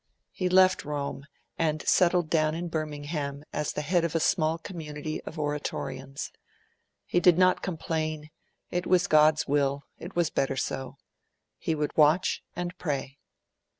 He left Rome, and settled down in Birmingham as the head of a small community of Oratorians. He did not complain; it was God's will; it was better so. He would watch and pray.